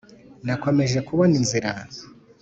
nakomeje kubona inzira,